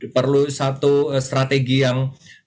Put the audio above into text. perlu satu strategi yang